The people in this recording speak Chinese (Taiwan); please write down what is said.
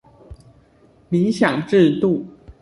理想制度